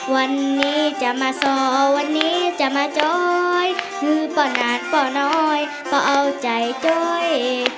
วันนี้จะมาสอวันนี้จะมาจอยคือป่อนาดป่อน้อยก็เอาใจจ้อย